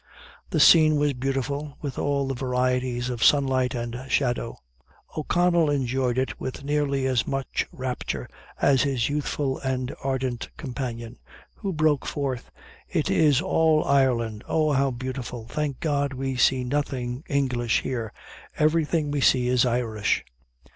The scene was beautiful, with all the varieties of sunlight and shadow. O'Connell enjoyed it with nearly as much rapture as his youthful and ardent companion, who broke forth "It is all Ireland oh! how beautiful! Thank God, we see nothing English here. Everything we see is Irish!"